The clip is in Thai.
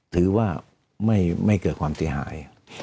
ถือว่าไม่เกิดความเสียหาย